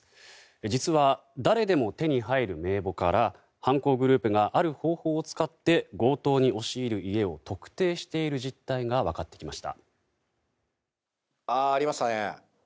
実は、誰でも手に入る名簿から犯行グループがある方法を使って強盗に押し入る家を特定している実態が分かってきました。